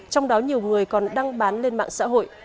trong đó nhiều người còn đăng bán lên mạng xã hội